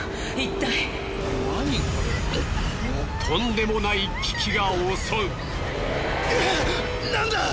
とんでもない危機が襲う。